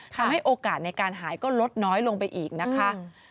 ทำให้โอกาสในการหายก็ลดน้อยลงไปอีกนะคะ